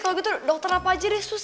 kalau gitu dokter apa aja deh susah